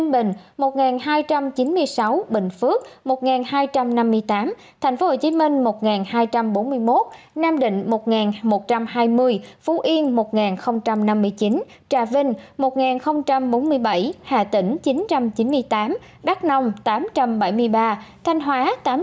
bình một hai trăm chín mươi sáu bình phước một nghìn hai trăm năm mươi tám tp hcm một nghìn hai trăm bốn mươi một nam định một một trăm hai mươi phú yên một năm mươi chín trà vinh một bốn mươi bảy hà tĩnh chín trăm chín mươi tám đắk nông tám trăm bảy mươi ba thanh hóa tám mươi